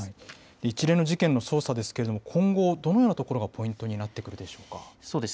一連の事件の捜査ですが今後、どのようなところがポイントになってくるでしょうか。